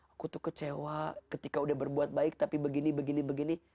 aku tuh kecewa ketika udah berbuat baik tapi begini begini